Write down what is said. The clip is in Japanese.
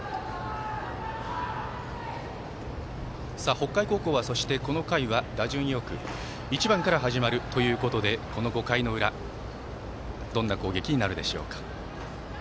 北海高校は、この回は打順よく１番から始まるということでこの５回の裏どんな攻撃になるでしょうか。